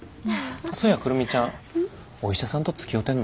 そや久留美ちゃんお医者さんとつきおうてんの？